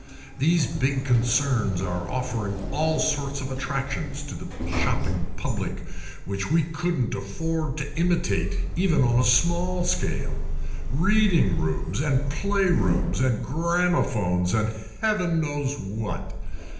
"These big concerns are offering all sorts of attractions to the shopping public which we couldn't afford to imitate, even on a small scale—reading rooms and play rooms and gramophones and Heaven knows what.